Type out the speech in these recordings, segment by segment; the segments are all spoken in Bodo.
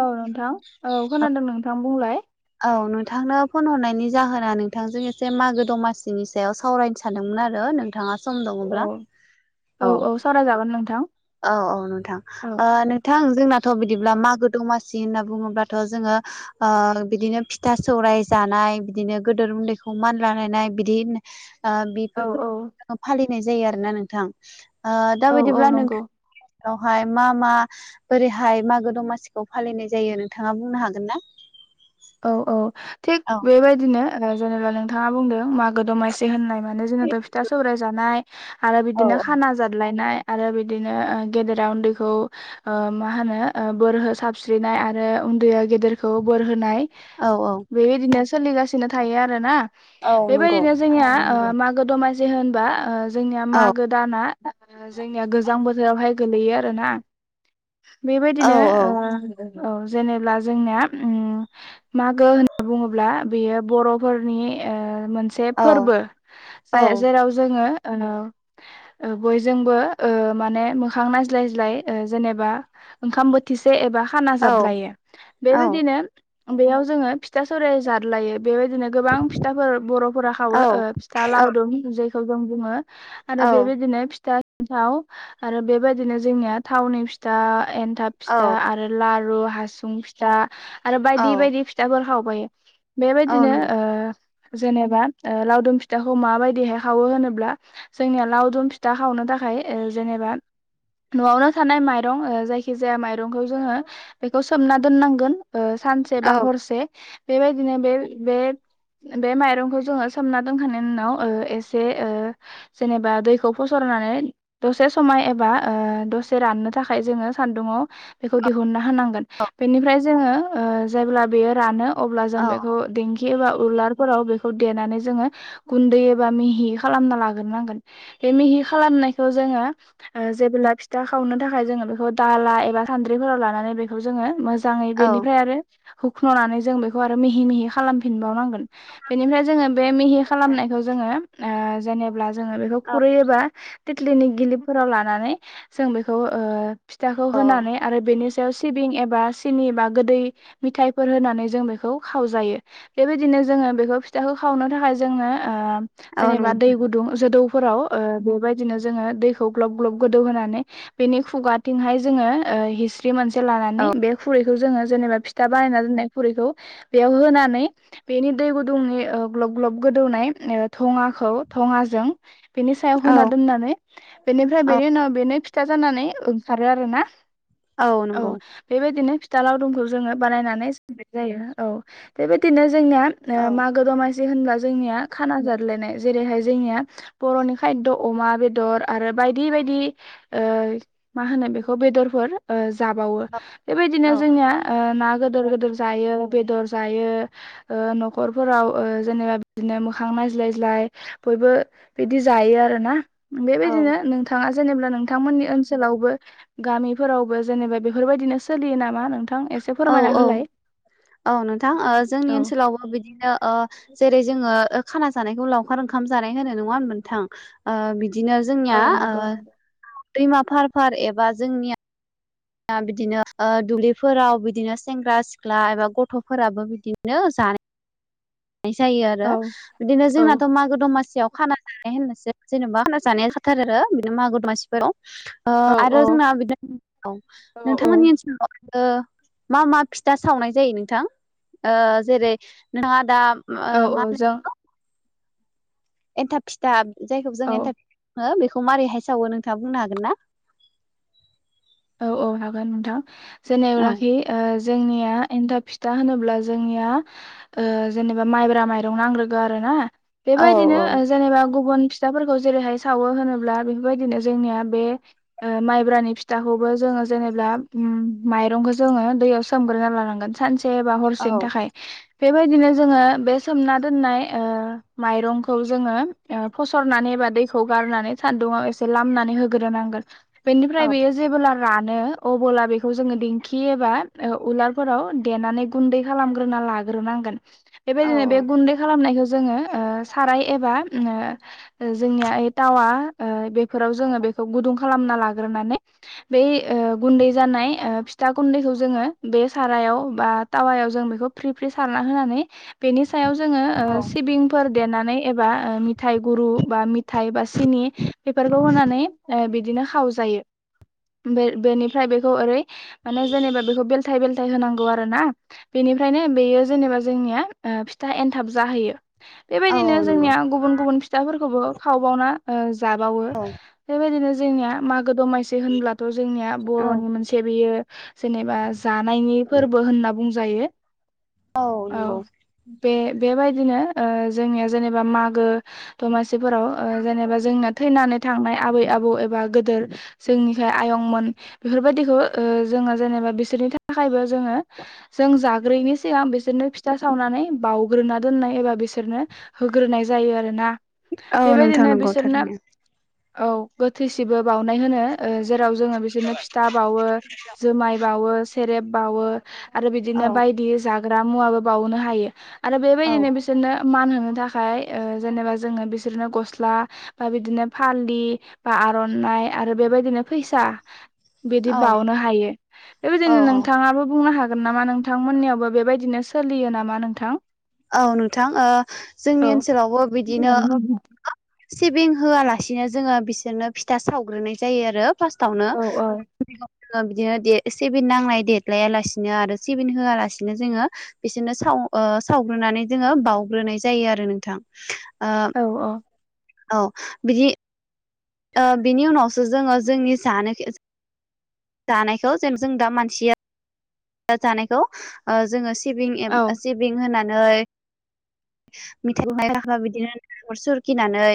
औ नोंथां औ खोनादों नोंथां बुंलाय औ नोंथांनो फन हरनायनि जाहोना नोंथांजों एसे मागो दमासिनि सायाव सावरायनो सानदोंमोन आरो नोंथाङा सम औ दङोब्ला औ औ औ नोंथां औ नोंथां जोंनाथ' बिदिब्ला मागो दंमासि सि होनना बुङोब्लाथ' जोङो ओ बिदिनो फिथा सौराय जानाय बिदिनो गोदोर उन्दैखौ समान लालायनाय बिदिनो [unintelligible] औ बेफोर औ फोरबोखौ फालिनाय जायो आरो ना नोंथां दा औ औ बायदिब्ला नंगौ [unintelligible] [unintelligible] मा मा बोरैहाय मागो दमासिखौ फालिनाय जायो नोंथाङा बुंनो हागोन ना? औ औ थिग औ बेबायदिनो जेनेबा नोंथाङा बुंदों माग द'मायसि होननाय माने जोंनाथ' फिथा सौरायाइ जानाय आरो औ बिदिनो खाना जादलायनाय आरो बिदिनो गेदेरा उन्दैखौ मा होनो बोर हो साबस्रिनाय आरो उन्दैया गेदेरखौ बोर होनाय औ औ बेबायदिनो सोलिगासिनो थायो आरोना औ नंगौ बेबायदिनो जोंनिया [unintelligible] [unintelligible] दमासि होनबा जोंनिया औ मागो दाना जोंनिया गोजां बोथोरावहाय गोलैयो आरोना औ बेबायदिनो औ जेनेबा जोंनिया मागो होनना बुङोब्ला बेयो बर'फोरनि मोनसे औ फोरबो औ [unintelligible] जेराव जोङो बयजोंबो माने मोखां नायज्लायज्लाय जेनेबा ओंखाम बोथिसे एबा खाना औ जादलायो औ बेबायदिनो बेयाव जोङो फिथा सैराइ जादलायो बेबायदिनो गोबां फिथाफोर बर'फोरा खावो फिथा लावदुम जेखौ जों बुङो औ आरो बेबायदिनो फिथा [unintelligible] आरो बेबायदिनो जोंनिया थावनि फिथा एन्थाब फिथा आरो लारु आरो हासुं फिथा आरो औ बायदि बायदि फिथाफोर खावबायो औ बेबायदिनो नंगौ औ जेनेबा लावदुम फिथाखौ माबायदिहाय खावो होनोब्ला जोंनिया लावदुम फिथा खावनो थाखाय थाखाय जेनेबा न'आवनो थानाय माइरं ओ जायखि जाया माइरंखौ जोङो बेखौ सोमना दोननांगोन। ओ सानसे बा हरसे बेबायदिनो बे बे बे माइरंखौ जोङो सोमना दोनखांनायनि उनाव ओ एसे ओ जेनेबा दैखौ फसर नानै‌ दसे समाय एबा ओ दसे राननो थाखाय जोङो सान्दुङाव बेखौ दिहुनना होनांगोन। बेनिफ्राय जोङो ओ जेब्ला बियो रानो अब्ला जों औ बेखौ दिं खि एबा उलारफोराव बेखौ देनानै जोङो गुन्दै एबा मिहि खालामना लाग्रोनांगोन। बे मिहि खालामनायखौ जोङो ओ जेब्ला फिथा खावनो थाखाय जोङो बेखौ दाला एबा खान्द्रि फोराव लानानै बेखौ जोङो मोजाङै बेनि हुखन'नानै जों बेखौ आरो मिहि मिहि खालामफिनबावनांगोन। बेनिफ्राय जोङो बे मिहि खालामनायखौ जोङो ओ‌ जेनेब्ला जोङो बेखौ खुरै एबा तिथ्लिनि गिलिफोराव लानानै जों बेखौ ओ फिथाखौ होनानै औ आरो बेनि सायाव सिबिं एबा सिनि बा गोदै मिथाइफोर होनानै जों बेखौ खावजायो। बेबायदिनो जोङो बेखौ फिथाखौ खावनो थाखाय जोंनो ओ औ औ औ जेनेबा दै नंगौ गुदुं जदौ फोराव ओ बेबायदिनो जोङो दैखौ ग्लब ग्लब गोदौ होनानै बेनि खुगाथिंहाय जोङो ओ हिस्रि मोनसे औ लानानै बे खुरैखौ जोङो जेनेबा फिथा बानायना दोननाय खुरैखौ बेयाव होनानै बेनि दै गुदुंनि ओ ग्लब ग्लब गो गोदौनाय ओ थङाखौ थङाजों बेनि सायाव औ होना दोननानै बेनिफ्राय बेनि उनाव बेनि फिथा जानानै ओंखारो आरो ना? औ बेबायदिनो फिथा लाउदुम खौ‌ जोङो बानायनानै जानाय जायो। औ बेबायदिनो जोंना औ ओ मागो दमा होनब्ला जोंनिया खाना जालायनाय। जेरैहाय जोंनिया बर'नि खायद' अमा बेदर आरो बायदि बायदि ओ मा होनो बेखौ बेदरफोर ओ जाबावो बेबायदिनो जोंनिया ओ ना गिदिर गिदिर जायो बेदर जायो न'खरफोराव जेनेबा बिदिनो मोखां नायज्लाय ज्लाय बयबो बिदि जायो आरोना औ बेबायदिनो नोंथाङा जेनेबा नोंथांमोननि ओनसोलावबो गामिफोरावबो जेनेबा बेफोरबायदिनो सोलियो नामा नोंथां एसे औ फोरमायना होलाय औ नोंथां जोंनि औ ओनसोलावबो बिदिनो जेरै जोङो खाना जानायखौ लावखार ओंखाम जानाय होनो नङा होनबा नोंथां बिदि नो औ जोंनिया नंगौ नंगौ दैमा फार फार एबा जोंनिया ओ बिदिनो ओ दुब्लिफोराव बिदिनो सेंग्रा सिख्ला एबा गथ'फोराबो बिदिनो [unintelligible] जायो आरो। औ बिदिनो औ जोंनाथ' मागो दमासि सियाव खाना जानाय होननोसै। जेनेबा खाना जानाय जाखा थारो बिदिनो मागो दमासि फोराव। ओ औ आरो जोंना औ बिदि औ औ औ नोंथांमोननि ओनसोलाव ओ मा मा फिथा सावनाय जायो नोंथां? ओ जेरै नोंथाङा दा औ ओ‌ मा औ जों [unintelligible] एन्थाब फिथा जायखौ जों औ एन्थाब हो बेखौ माबारैहाय सावो नोंथाङा बुंनो हागोन ना? औ औ हागोन नोंथां। औ जेनेब्लाखि ओ जोंनिया एन्थाब फिथा होनोब्ला जोंनिया ओ जेनेबा माइब्रा माइरं नांग्रोगौ आरो ना। औ बेबायदिनो जेनेबा गुबुन फिथाफोरखौ जेरैहाय सावो होनोब्ला बेफोरबायदिनो जोंनिया बे ओ माइब्रानि फि थाखौबो जोङो जेनेब्ला माइरंखौ जोङो दैयाव सोमग्रोना लानांगोन सानसे बा हरसेनि औ थाखाय बेबायदिनो जोङो बे सोमना दोननाय ओ माइरंखौ जोङो ओ फसरनानै दैखौ गारनानै सान्दुंआव एसे लामनानै होग्रोनांगोन। बेनिफ्राय औ बेयो जेबोला रानो अबोला बेखौ जोङो दिेंखि एबा ओ उलारफोराव देनानै गुन्दै खालामग्रो ना लाग्रो नांगोन। औ बेबायदिनो से गुन्दै खालामनायखौ जोंओ ओ साराय एबा ओ जोंनिया ए टावा ओ बेफोराव जोंओ बेखौ गुदुं खालामना लाग्रोनानै बै ओ गुन्दै जानाय ओ फिथा गुन्दैखौ जोङो बे सारायाव बा टावायाव जों बेखौ फ्रि फ्रि सारना होनानै बेनि सायाव जोङो ओ औ सिबिंफोर देनानै एबा ओ मि थाय गुरु बा मिथाय बा सिनि बेफोरखौ होनानै ओ बिदिनो खाव जायो। बे-बेनिफ्राय बेखौ ओरै माने जेनेबा बेखौ बेलथाय बेल थाय होनांगौ आरो ना बेनिफ्रायनो बेयो जेनेबा जोंनिया ओ फिथा एनथाब जाहैयो। औ बेबायदिनो नंगौ जोंनिया गुबुन गुबुन फिथाफोरखौबो खावबावना जाबावो औ बेबायदिनो जोंनिया मागो दमासि होनब्लाथ' जोंनिया औ बर'नि मोनसे बेयो जेनेबा जानायनि फोरबो होनना बुंजायो। औ बे-बेबायदिनो। ओ जोंनिया जेनेबा मागो दमासिफोराव जेनेबा जोंना थैनानै थांनाय आबै आ आबौ एबा गोदोर जोंनिखाय आयंमोन बेफोरबायदिखौ ओ जोङो जेनेबा बिसोरनि थाखायबो जोङो जों जाग्रोयिनि सिगां बिसोरनो फिथा सावनानै बाउग्रोना दोननाय एबा बिसोरनो होग्रोनाय जा यो आरोना औ नोंथां बेबायदिनो नंगौ बिसोरनो थारैनो औ गोथैसिबो बावनाय होनो ओ जेराव जोङो बिसोरनो फिथा बावो जुमाय बावो सेरेब बावो। आरो औ बिदिनो बायदि जाग्रा मुवाबो बावनो हायो आरो औ बेबायदिनो बिसोरनो मान होनो थाखाय ओ जेनेबा जोङो बिसोरनो गसला बा बिदिनो फालि बा आर'नाय आरो बेबायदिनो फैसा बिदि औ बावनो हायो औ बेबायदिनो औ नोंथाङाबो बुंनो हागोन गोन नामा नोंथांमोननियावबो बेबायदिनो सोलियो नामा नोंथां? औ नोंथां ओ औ जोंनि ओनसोलावबो बिदिनो सिबिं होआलासिनो जोङो बिसोरनो फिथा सावग्रोनाय जायो आरो। फास्तावनो औ जोंओ बिदिनो दे एसे बे नांलनाय देटलाया लासिनो आरो सेभेन होआलासिनो जोङो बिसोरनो सा ओ सावग्रोनानै जोङो बाउग्रोनाय जायो आरो नोंथां। ओ औ औ। औ बिदि ओ बिनि उनावसो जोङो जोंनि जानो जानायखौ जेन जों दा मानसिया [inaudible] जानायखौ ओ जोङो सिबिं [unintelligible] ओ औ सिबिं होनानै [inaudible] बिदिनो नालेंखर सुरखिनानै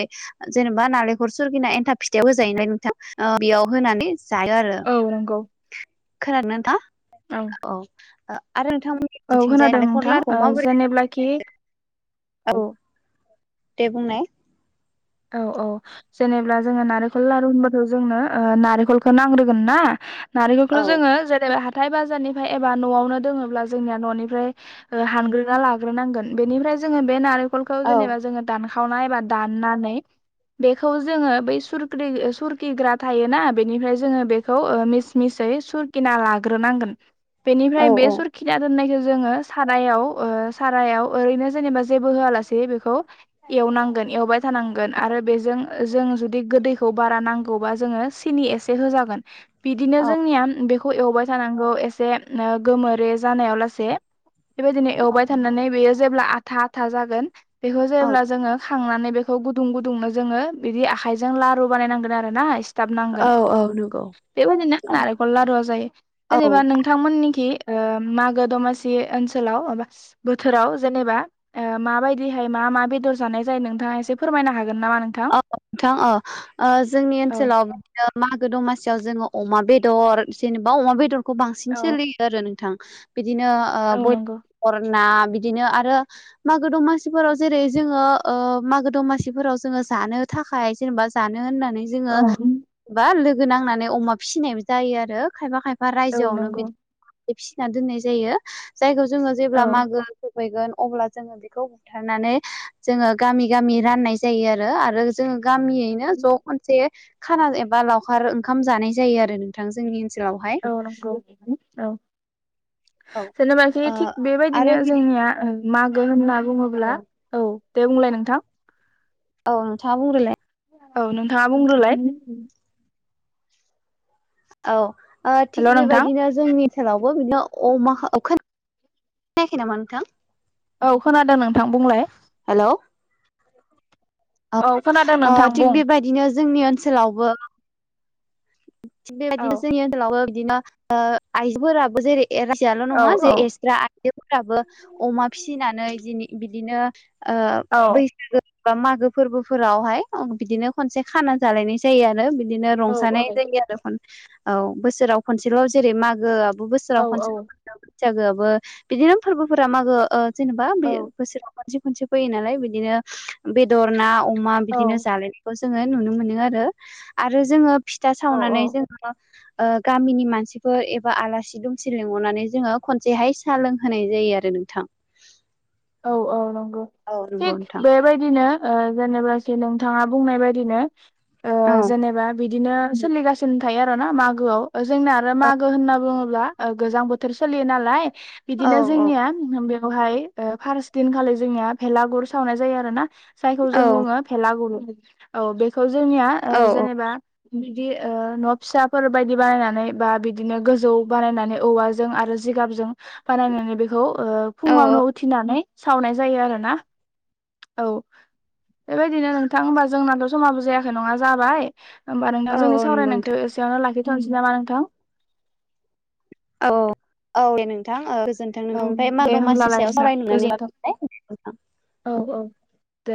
जेनेबा नालेंखर सुरखिना एन थाब फिथायाव होजायो [unintelligible] बियाव होनानै जायो आरो औ नंगौ खोनादोंना नोंथाङ औ ओ आरो नोंथांमोननिथिंजाय खोनादों नालेंखर नोंथां लारुआव ओ माबोरै जेनेब्लाखि [inaudible] औ। दे बुंनाय। औ औ जेनेब्ला जोङो नारेंखल लारु होनबथ' जोंनो नारेंखलखौ नांग्रोगोन ना। औ नारेंखलखौल' जोङो जेनेबा हा थाय बाजारनिफाय एबा न'आवनो दोङोब्ला जोंनिया न'निफ्राय हानग्रोना लाग्रोनांगोन बेनिफ्राय जोङो बे नारेंखलखौ औ जेनेबा जोङो दानखावनाय एबा दाननानै बेखौ जोङो बै सुरख्रि ओ सुरखिग्रा थायोना बेनिफ्राय जोङो बेखौ ओ मिस मिसै सुरखिना लाग्रोनांगोन औ बेनिफ्राय बे सुरखिना दोननायखौ जोङो सारायाव ओ सारायाव ओरैनो जेनेबा जेबो होआलासे बेखौ एवनांगोन। एवबाय थानां गोन आरो बेजों जों जुदि गोदैखौ बारा नांगौबा जोंओ सिनि एसे होजागोन। बिदिनो औ जोंनिया बेखौ एवबाय थानांगौ एसे आ गोमोरै जानायाव लासे। बेबायदिनो एवबाय थानानै बेयो जेब्ला आथा आथा जागोन बेखौ औ जेब्ला जोङो थांनानै बेखौ गुदुं गुदुंनो जोङो बिदि आखायजों लारु बानायनांगोन आरो ना। औ थाबनांगोन औ नंगौ बेबायदिनो नारेंखल लारुआ जायो औ जेनेबा नोंथांमोननिखि ओ मागो दमासि ओनसोलाव माबा बोथोराव जेनेबा माबायदिहाय मा मा बेदर जानाय जायो नोंथाङा एसे फोरमायनो हागोन नामा नोंथां? औ नोंथां औ जोंनि औ ओनसोलाव बिदिनो मा गो दमासियाव जोङो अमा बेदर जेनेबा अमा बेदरखौ बांसिन औ सोलियो आरो नोंथां बिदिनो ओ औ बय नंगौ अर ना बिदिनो आरो मागो दमासिफोराव जेरै जोङो ओ मागो दमासिफोराव जोङो जानो थाखाय जेनेबा जानो होननानै जोङो औ बा नांनानै अमा फिनायबो जायो आरो खायफा खायफा औ रायजोआवनो बि नंगौ फिसिनानै दोननाय जायो जायखौ जोङो औ जेब्ला मागो फैगोन अब्ला जोङो बेखौ बुथारनानै जोङो गामि गामि राननाय जायो आर आरो जोङो गामियैनो ज' खनसे खाना एबा लावखार ओंखाम जानाय जायो आरो नोंथां जोंनि ओनसोलावहाय औ नंगौ औ औ जेनेबाखि ओ थिग बेबायदिनो आरो बिदि जोंनिया मागो होनना औ [unintelligible] औ दे बुंलाय नोंथां औ नोंथाङा बुंग्रोलाय औ नोंथाङा बुंग्रोलाय औ ओ थिग नोंथां बेबायदिनो जोंनि सेरावबो बिदिनो अमा [unintelligible] [unintelligible] नामा नोंथां औ खोनादों नोंथां बुंलाय हेल' [unintelligible] औ खोनादों ओ नोंथां थिग बुं बेबायदिनो जोंनि ओनसोलावबो [inaudible] थि औ बेबायदिनो जोंनि ओनसोलावबो बिदिनो ओ आइजोफोराबो जेरै रासियाल' औ नङा जे औ एसग्रा आइजोफोराबो अमा फिसिनानै जेनि बिदिनो ओ औ बैसागो बा मागो फोरबोफोरावहाय बिदिनो खनसे खाना जालायनाय जायो आरो बि बिदिनो औ औ रंजानाय जायो आरो औ बोसोराव खनसेल' जेरै मागो बोसोराव औ खनसे बैसागोआबो बिदिनो फोरबोफोरा मागो ओ जेनेबा बे बोसोराव खनसे खनसे फैयो नालाय बिदिनो बेदर ना अ अमा बिदिनो औ जालायनायखौ जोङो नुनो मोनो आरो आरो जोङो फिथा औ सावनानै जोङो ओ गामिनि मानसिफोर एबा आलासि दुमसि लिंहरनानै जोङो खनसेहाय सा लोंहोनाय जायो आरो नोंथां औ औ नंगौ नंगौ थिग नोंथां बेबायदिनो ओ जेनेबाखि नोंथाङा बुंनाय बायदिनो ओ औ जेनेबा बि बिदिनो सोलिगासिनो थायो आरो ना मागोआव जोंना आरो मागो होनना बुङोब्ला गोजां बोथोर सोल लिनालाय औ बिदिनो औ जोंनिया बेआवहाय ओ फार्स्ट दिनखालि जोंनिया भेलागुर सावनाय जायो आरो ना जायखौ औ जों बुङो भेलागुर औ बेखौ जोंनिया औ ओ जेनेबा बिदि ओ न' फिसाफोर बायदि बानायनानै बा बिदिनो गोजौ बानायनानै औवाजों आरो जिगाबजों बानायनानै बेखौ ओ औ फुङावनो उथ नै सावनाय जायो आरोना औ बेबायदिनो नोंथां होमबा जोंनाथ' समाबो जायाखै नङा जाबाय होमबा नोंथां औ जोंनि औ नंगौ सावरायनायखौ नोंथां एसेयावनो लाखिथ'नोसै नामा नोंथां औ औ दे नोंथां ओ गोजोनथों औ नोंथांनिमफ्राय माग दे दमासनि होमब्लालाय सायाव नोंथां सावराय मोननानै गोजोन्थों। नोंथां औ औ दे